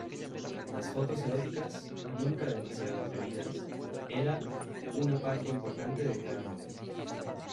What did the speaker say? Las fotos eróticas, nunca demasiado atrevidas, eran una parte importante de cada número.